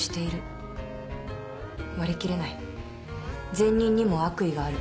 善人にも悪意がある。